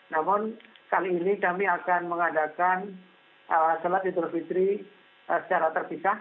namun kali ini kami akan mengadakan sholat idul fitri secara terpisah